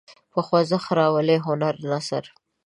په خوځښت راولي هنري نثر.